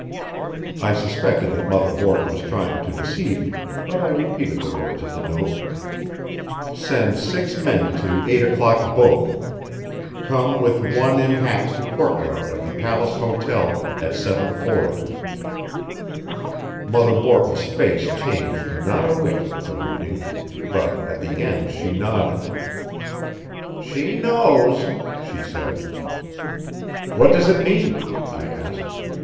I suspected that Mother Borton was trying to deceive me, but I repeated the words of the note: "Send six men to 8 o'clock boat. Come with one in hack to courtyard of the Palace Hotel at 7:40." Mother Borton's face changed not a whit at the reading, but at the end she nodded. "She knows," she said. "What does it mean?" I asked.